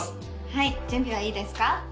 はい準備はいいですか？